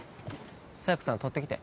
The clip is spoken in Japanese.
佐弥子さんとってきて。